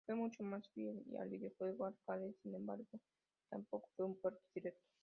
Fue mucho más fiel al videojuego arcade; sin embargo, tampoco fue un puerto directo.